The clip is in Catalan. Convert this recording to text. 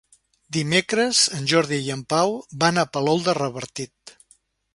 Dimecres en Jordi i en Pau van a Palol de Revardit.